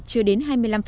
chưa đến hai mươi năm